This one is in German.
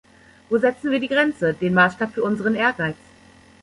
Wo setzen wir die Grenze, den Maßstab für unseren Ehrgeiz?